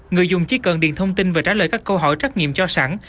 người dùng chỉ cần điền thông tin và trả lời các câu hỏi trắc nghiệm cho sẵn